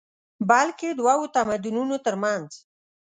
بلکې دوو تمدنونو تر منځ